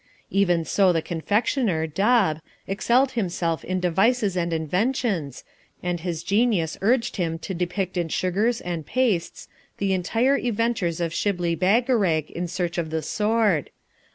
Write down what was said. Even so the confectioner, Dob, excelled himself in devices and inventions, and his genius urged him to depict in sugars and pastes the entire adventures of Shibli Bagarag in search of the Sword.